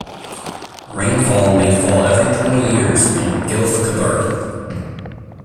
Rainfall may fall every twenty years in Gilf Kebir.